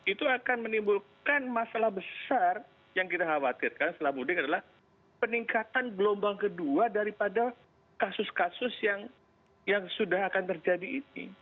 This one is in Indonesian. itu akan menimbulkan masalah besar yang kita khawatirkan setelah mudik adalah peningkatan gelombang kedua daripada kasus kasus yang sudah akan terjadi ini